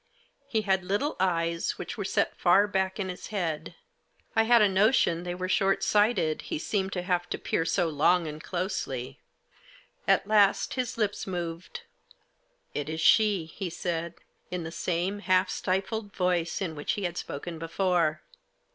He had little eyes, which were set far back in his head. I had a notion they were short sighted, he seemed to have to peer so long and closely. At last his lips moved. " It is she," he said, in the same half stifled voice in which he had spoken before.